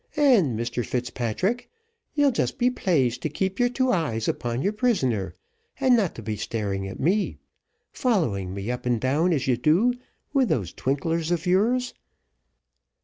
And, Mr Fitzpatrick, you'll just be pleased to keep your two eyes upon your prisoner, and not be staring at me, following me up and down, as you do, with those twinklers of yours."